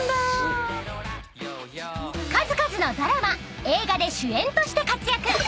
［数々のドラマ映画で主演として活躍］